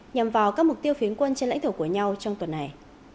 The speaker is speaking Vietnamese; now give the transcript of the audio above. nhằm vào các mục tiêu phiến quân trên lãnh thổ của nhau trong tuần này